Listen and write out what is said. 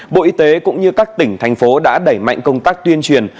bộ y tế cũng như các tỉnh thành phố đã đẩy mạnh công tác tuyên truyền